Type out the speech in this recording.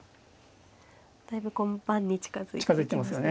だいぶこう盤に近づいてきましたね。